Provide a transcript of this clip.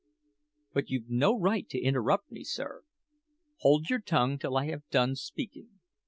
But you've no right to interrupt me, sir. Hold your tongue till I have done speaking.